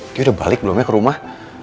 dia udah balik belumnya ke rumah